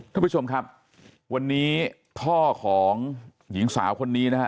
ท่านผู้ชมครับวันนี้พ่อของหญิงสาวคนนี้นะฮะ